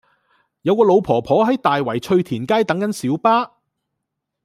有個老婆婆喺大圍翠田街等緊小巴